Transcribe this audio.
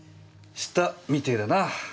したみてえだなぁ。